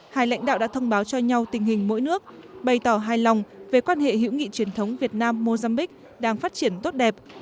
hai lãnh đạo đã thông báo cho nhau tình hình mỗi nước bày tỏ hài lòng về quan hệ hữu nghị truyền thống việt nam mozambique đang phát triển tốt đẹp